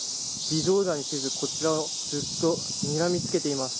微動だにせず、こちらをずっと、にらみつけています。